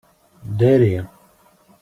Dari.